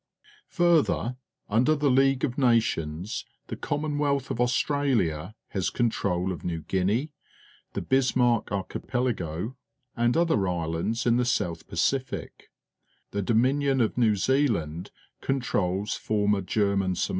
Fiu'ther, under the League of Nations the Coimnon wealth of Australia has control of New (Guin ea, the Bismarck Aixliipelago, and other islands in the South Pacific; the Dom inion of New Zealand controls former German s>.a!